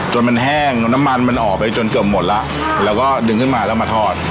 จนมันแห้งน้ำมันมันออกไปจนเกือบหมดแล้วแล้วก็ดึงขึ้นมาแล้วมาทอด